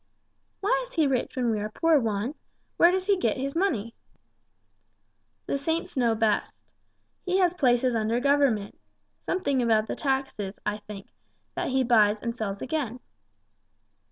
"Why is he rich when we are poor, Juan? Where does he get all his money?" "The saints know best. He has places under Government. Something about the taxes, I think, that he buys and sells again."